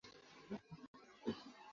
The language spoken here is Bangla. কবিতা লেখেন, মন খারাপ হলে গান শোনেন।